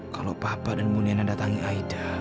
kalau papa dan muniana datangin aida